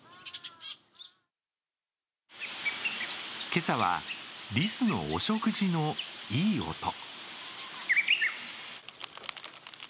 今朝はリスのお食事のいい音。